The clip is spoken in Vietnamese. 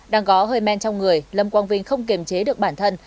đang có hơi men trong người lâm quang vinh không kiềm chế được bản thân